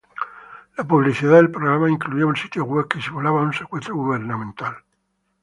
La publicidad del programa incluía un sitio web que simulaba un secuestro gubernamental.